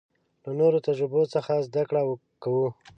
له نورو تجربو څخه زده کړه کوو.